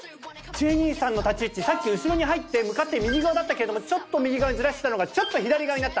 さっき後ろに入って向かって右側だったけれどもちょっと右側にずらしてたのがちょっと左側になった。